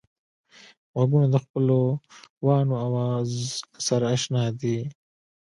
غوږونه د خپلوانو آواز سره اشنا دي